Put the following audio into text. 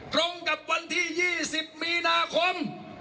ตรงกับวันที่๒๐มีนาคม